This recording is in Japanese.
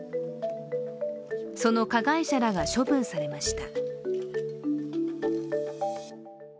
その加害者らが処分されました。